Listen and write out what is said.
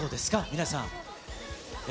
皆さん。